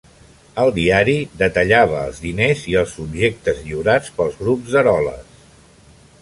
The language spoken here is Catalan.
El diari detallava els diners i els objectes lliurats, pels grups d'Eroles.